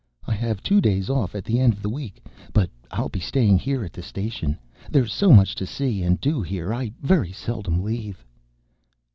"I have two days off at the end of the week, but I'll be staying here at the station. There's so much to see and do here, I very seldom leave."